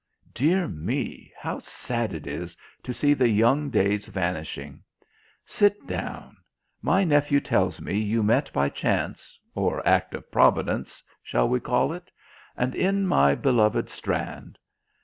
Dear me, how sad it is to see the young days vanishing! Sit down. My nephew tells me you met by chance or act of Providence, shall we call it? and in my beloved Strand!